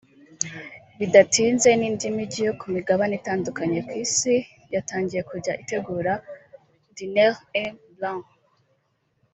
Bidatinze n’indi mijyi yo ku migabane itandukanye ku Isi yatangiye kujya itegura Dîner en Blanc